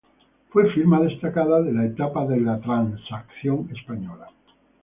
Fue firma destacada de la etapa de la transición española.